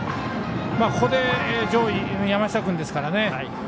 ここで上位、山下君ですからね。